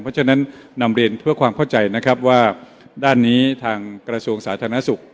เพราะฉะนั้นนำเรียนเพื่อความเข้าใจนะครับว่าด้านนี้ทางกระทรวงสาธารณสุข